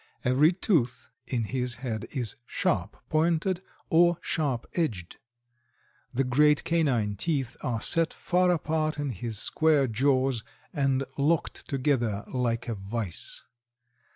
Every tooth in his head is sharp pointed or sharp edged. The great canine teeth are set far apart in his square jaws and locked together like a vice.